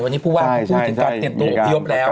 วันนี้ผู้วางพูดว่าเต็มตัวอบพยพแล้ว